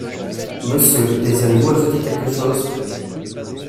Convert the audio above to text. Monsieur, désirez-vous ajouter quelque chose?